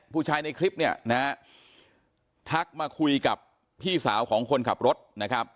ในคลิปเนี่ยนะฮะทักมาคุยกับพี่สาวของคนขับรถนะครับ